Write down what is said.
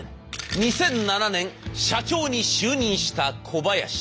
２００７年社長に就任した小林。